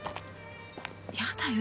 やだよ